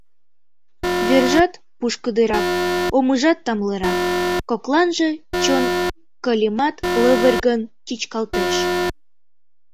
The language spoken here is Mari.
— Вержат пушкыдырак, омыжат тамлырак, кокланже чон-кылемат лывыргын чӱчкалтеш...